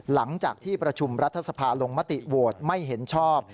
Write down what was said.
หลังจากที่ประชุมรัฐสภาลงมติโหวตไม่เห็นชอบ